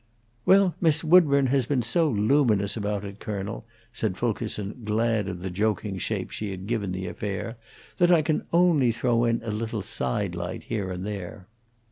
"Well, Miss Woodburn has been so luminous about it, colonel," said Fulkerson, glad of the joking shape she had given the affair, "that I can only throw in a little side light here and there."